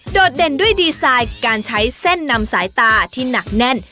เด่นด้วยดีไซน์การใช้เส้นนำสายตาที่หนักแน่น